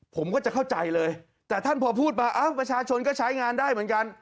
ผมก็จะเข้าใจเลยแต่ท่านพอพูดมาประชาชนก็ใช้งานได้เหมือนกัน